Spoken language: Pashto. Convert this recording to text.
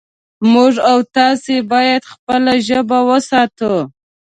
موږ او تاسې باید خپله ژبه وساتو